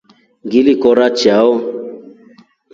Ngili kora chao.